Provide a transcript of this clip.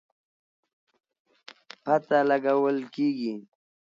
پته لګول کېږي.